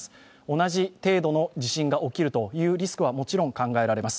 同じ程度の地震が起きるというリスクはもちろん考えられます。